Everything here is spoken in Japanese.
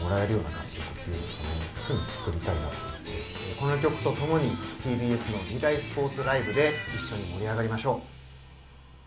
この曲と共にＴＢＳの２大スポーツライブで一緒に盛り上がりましょう！